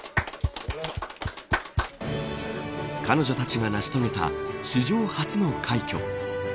彼女たちが成し遂げた史上初の快挙。